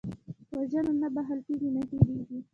وژنه نه بښل کېږي، نه هېرېږي